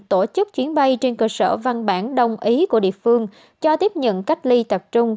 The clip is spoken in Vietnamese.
tổ chức chuyến bay trên cơ sở văn bản đồng ý của địa phương cho tiếp nhận cách ly tập trung